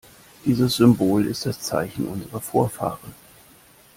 Dieses Symbol ist das Zeichen unserer Vorfahren.